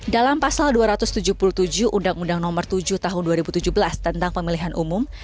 dalam pasal dua ratus tujuh puluh tujuh undang undang nomor tujuh tahun dua ribu tujuh belas tentang pemilihan umum